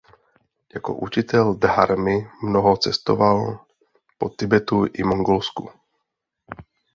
Jako učitel dharmy mnoho cestoval po Tibetu i Mongolsku.